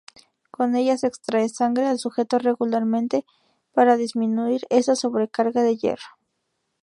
Con ellas se extrae sangre al sujeto regularmente, para disminuir esa sobrecarga de hierro.